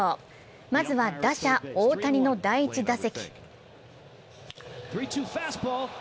まずは打者・大谷の第１打席。